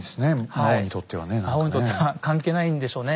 魔王にとっては関係ないんでしょうね。